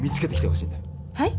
はい？